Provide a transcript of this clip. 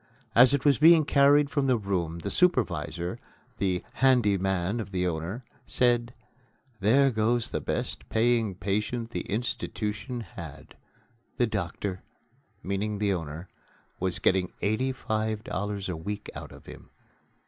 As it was being carried from the room the supervisor, the "handy man" of the owner, said: "There goes the best paying patient the institution had; the doctor" (meaning the owner) "was getting eighty five dollars a week out of him."